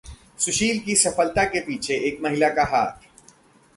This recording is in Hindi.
सुशील की सफलता के पीछे एक महिला का हाथ!